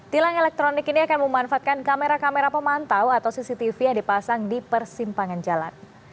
tilang elektronik ini akan memanfaatkan kamera kamera pemantau atau cctv yang dipasang di persimpangan jalan